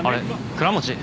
倉持？